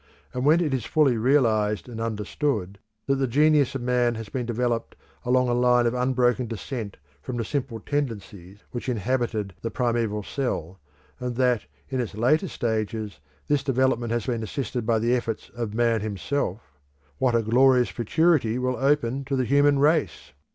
And when it is fully realised and understood that the genius of man has been developed along a line of unbroken descent from the simple tendencies which inhabited the primeval cell, and that in its later stages this development has been assisted by the efforts of man himself, what a glorious futurity will open to the human race!